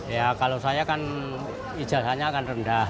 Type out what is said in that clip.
ya kalau saya kan ijazahnya akan rendah